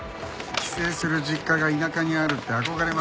帰省する実家が田舎にあるって憧れますね。